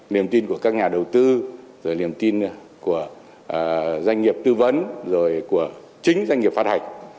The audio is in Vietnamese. niềm tin của các nhà đầu tư rồi niềm tin của doanh nghiệp tư vấn rồi của chính doanh nghiệp phát hành